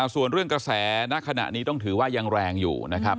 ส่วนเรื่องกระแสณขณะนี้ต้องถือว่ายังแรงอยู่นะครับ